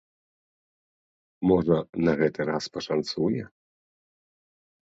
Можа, на гэты раз пашанцуе?